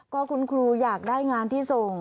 ก็คุณครูอยากได้งานที่ส่ง